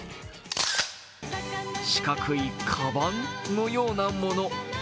四角いかばんのようなもの。